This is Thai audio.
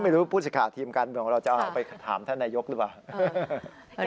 ไม่รู้ว่าพูดสิขาดทีมการบึงเราจะเอาไปถามท่านนายยกหรือเปล่า